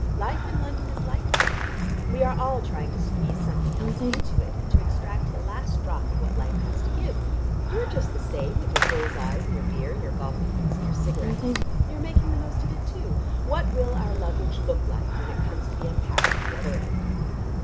Life in London is like that. We are all trying to squeeze something else into it, and to extract the last drop of what life has to give. You are just the same, with your bull's eyes and your beer and your golfing boots and your cigarettes. You're making the most of it, too. What will our luggage look like when it comes to be unpacked at the other end?"